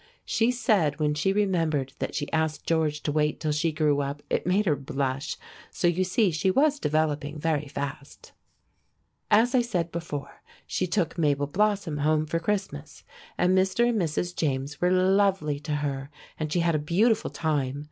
She said when she remembered that she asked George to wait till she grew up it made her blush, so you see she was developing very fast. As I said before, she took Mabel Blossom home for Christmas, and Mr. and Mrs. James were lovely to her, and she had a beautiful time.